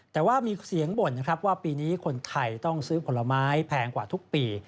แต่ว่ามีเสียงบ่นนะครับว่าปีนี้คนไทยต้องซื้อผลไม้แพงกว่าทุกปี